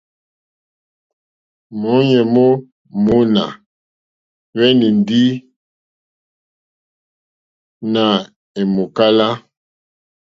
Mɔ̌ɲɛ̀ mó mòná hwɛ́nɛ́ ndí nà è mòkálá.